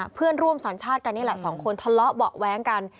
เพื่อนร่วมสัญชาติกันนี่แหละสองคนทะเลาะเบาะแว้งกัน